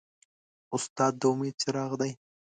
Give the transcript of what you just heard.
استاد د امید څراغ دی.